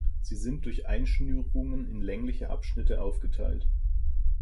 Sie sind durch Einschnürungen in längliche Abschnitte aufgeteilt.